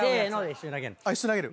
一緒に投げる。